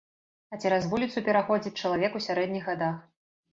А цераз вуліцу пераходзіць чалавек у сярэдніх гадах.